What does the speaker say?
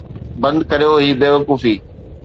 بند ڪريو هي بيوقوفي